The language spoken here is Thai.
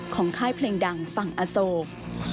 ค่ายเพลงดังฝั่งอโศก